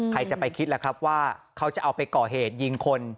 ใครจะไปคิดล่ะครับว่าเขาจะเอาไปก่อเหตุยิงคน